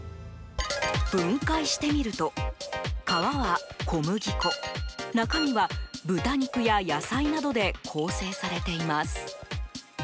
分解してみると、皮は小麦粉中身は豚肉や野菜などで構成されています。